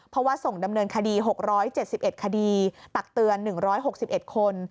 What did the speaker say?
เพราะว่าส่งดำเนินคดี๖๗๑คดีตักเตือน๑๖๑คน